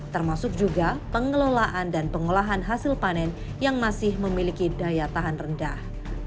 termasuk juga pengelolaan dan pengolahan hasil panen yang masih memiliki daya tahan rendah